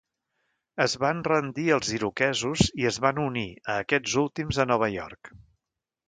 Es van rendir als iroquesos i es van unir a aquests últims a Nova York.